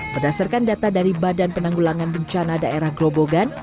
berdasarkan data dari badan penanggulangan bencana daerah grobogan